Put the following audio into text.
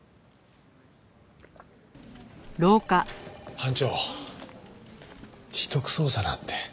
班長秘匿捜査なんて。